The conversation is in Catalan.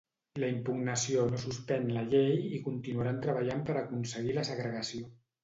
La impugnació no suspèn la llei i continuaran treballant per aconseguir la segregació.